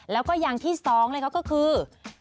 แล้วก็อย่างที่สองเลยค่ะก็คือ